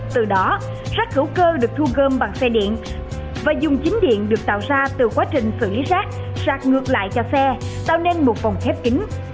từ đó rác hữu cơ được thu gom bằng xe điện và dùng chính điện được tạo ra từ quá trình xử lý rác sạc ngược lại cho xe tạo nên một vòng khép kính